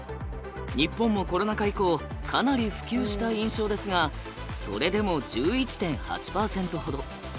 日本もコロナ禍以降かなり普及した印象ですがそれでも１１．８％ほど。